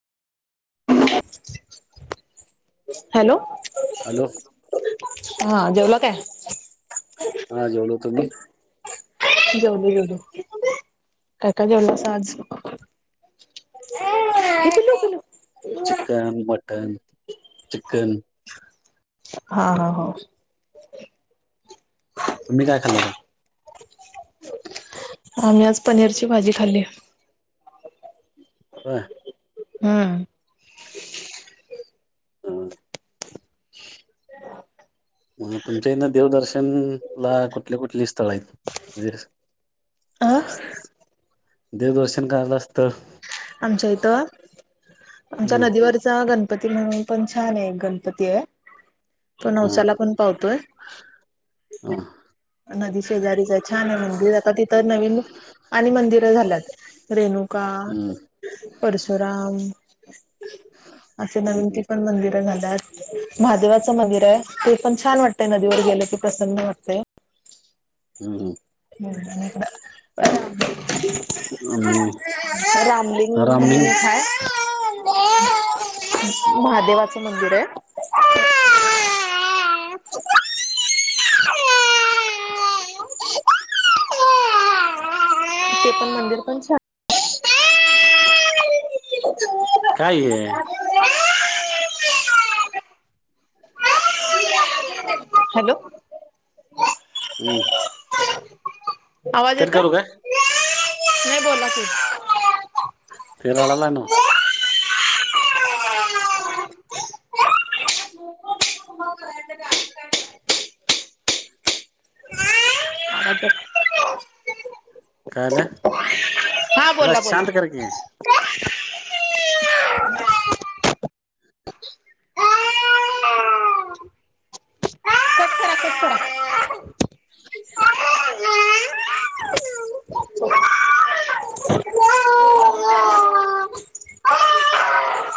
Hello! Hello हा जेवला काय? हा जेवलो तुम्ही हा. जेवढो जेवढो काय का जेवढ साज. ह नक. Chicken mutton chicken. हा हा हा. तु् काय खाल होता. आम्ही आज पनीरची भाजी खाल्ली. ह. हम. ह. म तुमच्या इ ना देवदर्शन ला कुठल्या कुठली स्थळ आहेत म्हणजे आ. स- देवदर्शन करात असत. आमच्या इथं आमच्या हम्म नदीवर च गणपती म्हणून पण छान आहे गणपती आहे. तो हा नवसाला पण पाहतोय. ह. नदी शेजारीचं आहे छान आहे मंदिर आता तिथं नवीन आणि मंदिरं झाल्यात रेणुका हम्म परशुराम असे नवीन ति हम्म पण मंदिरं झाल्यात. महादेवाचं मंदिर आहे ते पण छान वाटतंय नदीवर गेलं ते प्रसन्न वाटत. हम ह. ह. आणि रामलीिंग रामलिंग खय. महादेवाचं मंदिर आहे. [unintelligible] ते पण मंदिर पण छ. काय आहे. हॅलो. हम्. आवाज येत करू काय नाही बोला तू तेरळाला ना. [unintelligible] आ. कायलं पला बोला बोला. शांत करक कट करा, कट करा. [inaudible] [inaudible]